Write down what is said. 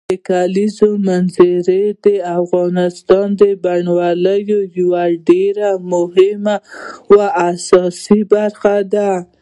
د کلیزو منظره د افغانستان د بڼوالۍ یوه ډېره مهمه او اساسي برخه ده.